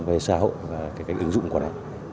cái xã hội và cái ứng dụng của nó